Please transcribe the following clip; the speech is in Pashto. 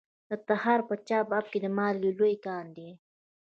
د تخار په چاه اب کې د مالګې لوی کان دی.